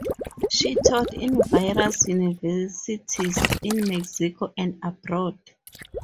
She taught in various universities in Mexico and abroad.